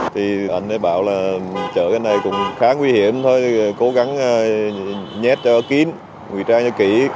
thì anh ấy bảo là chợ cái này cũng khá nguy hiểm thôi cố gắng nhét kín nguy trang cho kỹ